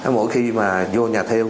mỗi khi mà vô nhà theo